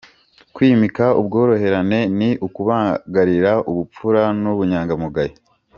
Kwimika ubworoherane ni ukubagarira ubupfura n’ubunyangamugayo.